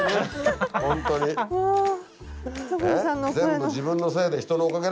全部自分のせいで人のおかげなんだよ。